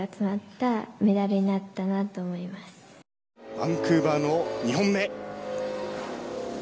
バンクーバーの２本目。